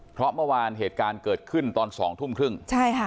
เพราะเมื่อวานเหตุการณ์เกิดขึ้นตอน๒ทุ่มครึ่งใช่ค่ะ